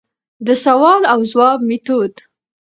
دسوال او ځواب ميتود: